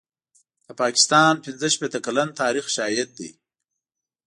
د پاکستان پنځه شپېته کلن تاریخ شاهد دی.